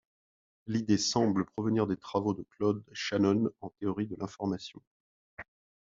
L'idée semble provenir des travaux de Claude Shannon en théorie de l'information.